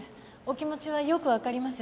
お気持ちはよく分かります。